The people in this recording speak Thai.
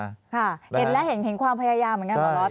เห็นแล้วเห็นความพยายามเหมือนกันหมอล็อ